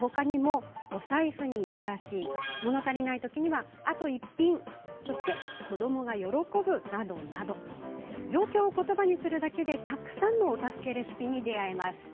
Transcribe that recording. ほかにも「お財布に優しい」。もの足りないときは「あと一品」「子どもが喜ぶ」などなど状況をことばにするだけでたくさんのお助けレシピに出会えます。